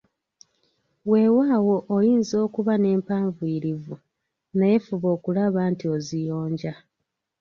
Weewaawo oyinza okuba nempanvuyirivu naye fuba okulaba nti oziyonja.